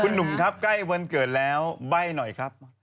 หนุ่มครับใกล้วันเกิดแล้วใบ้หน่อยครับ